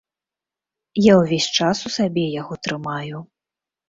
Я ўвесь час у сабе яго трымаю.